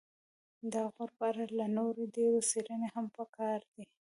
د غور په اړه لا نورې ډېرې څیړنې هم پکار دي